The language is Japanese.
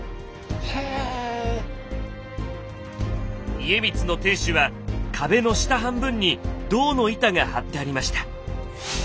家光の天守は壁の下半分に銅の板が張ってありました。